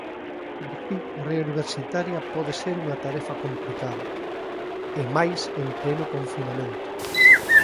Elixir carreira universitaria pode ser unha tarefa complicada, e máis en pleno confinamento.